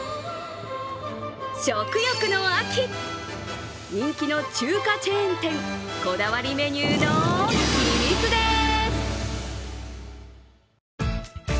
食欲の秋、人気の中華チェーン店こだわりメニューの秘密です。